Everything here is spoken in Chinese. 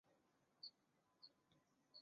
皮鲁士为其别名。